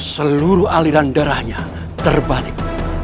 seluruh aliran darahnya terbalik